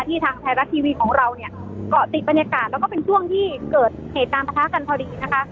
ทางไทยรัฐทีวีของเราเนี่ยเกาะติดบรรยากาศแล้วก็เป็นช่วงที่เกิดเหตุการณ์ประทะกันพอดีนะคะ